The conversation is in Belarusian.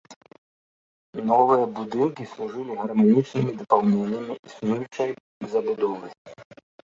Новыя будынкі служылі гарманічнымі дапаўненнямі існуючай забудовы.